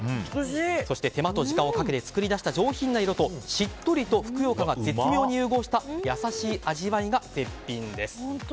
そして手間と時間をかけて作り出した上品な色としっとりとふくよかが絶妙に融合した優しい味わいが絶品です。